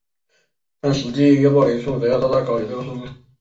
但实际阅报人数则要大大高于这个数字。